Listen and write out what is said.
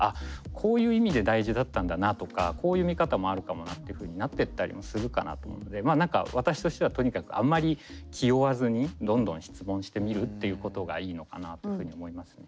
こういう意味で大事だったんだなとかこういう見方もあるかもなっていうふうになってったりもするかなと思うので何か私としてはとにかくあんまりのかなというふうに思いますね。